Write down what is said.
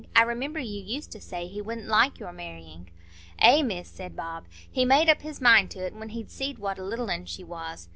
"I remember you used to say he wouldn't like your marrying." "Eh, Miss," said Bob, "he made up his mind to't when he see'd what a little un she was.